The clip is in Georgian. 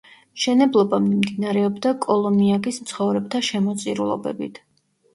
მშენებლობა მიმდინარეობდა კოლომიაგის მცხოვრებთა შემოწირულობებით.